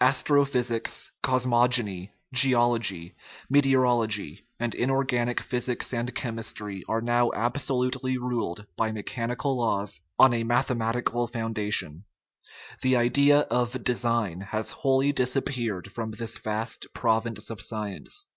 Astronomy, cosmogony, geology, meteor ology, and inorganic physics and chemistry are now ab solutely ruled by mechanical laws on a mathematical foundation. The idea of " design" has wholly disap peared from this vast province of science.